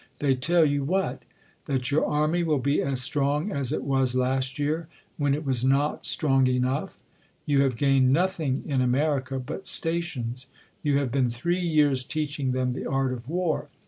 They tell you what ? That your army will be as strong as it was last year, when it was not strong enough. You hare •? gained nothing in America but stations. You have been uiree years teaching them the art of war.